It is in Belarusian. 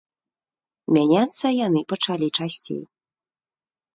Мяняцца яны пачалі часцей.